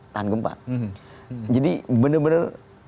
tahan gempa jadi benar benar